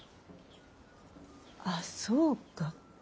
あそうか。